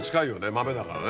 豆だからね。